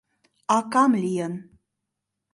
— Акам лийын.